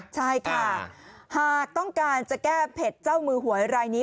ใช่ค่ะหากต้องการจะแก้เผ็ดเจ้ามือหวยรายนี้